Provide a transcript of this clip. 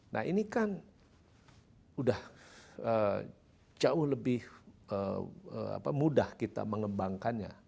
nah ini kan udah jauh lebih mudah kita mengembangkannya